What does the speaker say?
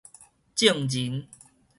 證人